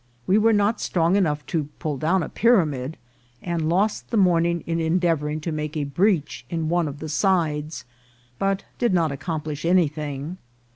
We were not strong enough to pull down a pyramid, and lost the morning in endeavouring to make a breach in one of the sides, but did not accomplish anything.